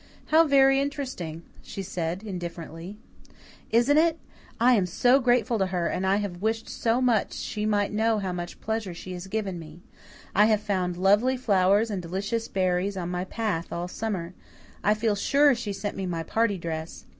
"How very interesting," she said, indifferently. "Isn't it? I am so grateful to her and I have wished so much she might know how much pleasure she has given me. I have found lovely flowers and delicious berries on my path all summer; I feel sure she sent me my party dress.